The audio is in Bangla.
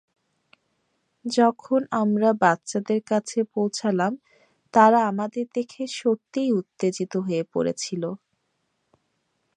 যখন আমরা বাচ্চাদের কাছে পৌঁছালাম তারা আমাদের দেখে সত্যিই উত্তেজিত হয়ে পড়েছিল।